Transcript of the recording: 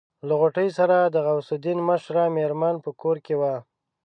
له غوټۍ سره د غوث الدين مشره مېرمن په کور کې وه.